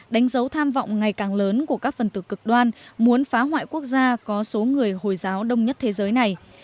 đánh dấu tham vọng ngày càng lớn của các phần tử cực đoan muốn phá hoại quốc gia có số người hồi giáo đông nhất thế giới này